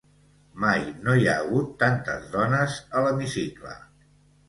Mai no hi ha hagut tantes dones a l'hemicicle.